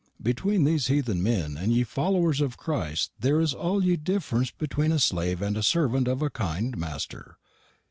Betwene these heathen men and ye followers of Christ their is all ye differenc betwene a slave and a servent of a kind Master.